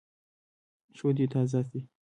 شودې تازه دي.